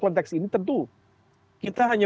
konteks ini tentu kita hanya